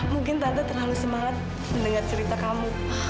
mungkin tante terlalu semangat mendengar cerita kamu